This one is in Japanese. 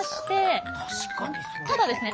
ただですね